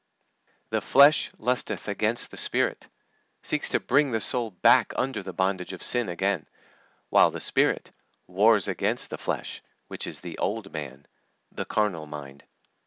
"The flesh lusteth against the Spirit," seeks to bring the soul back under the bondage of sin again, while the Spirit wars against the flesh, which is "the old man," "the carnal mind."